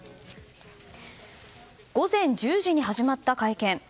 午前１０時に始まった会見。